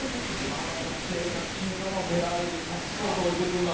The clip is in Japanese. あの女性が黄色のフェラーリでさっそうと降りてくるのは。